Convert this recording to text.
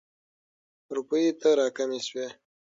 روپیو ته را کمې شوې.